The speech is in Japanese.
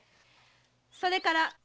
それから。